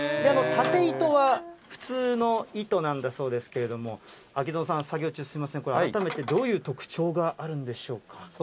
縦糸は普通の糸なんだそうですけれども、秋園さん、作業中すみません、これ、改めてどういう特徴があるんでしょうか。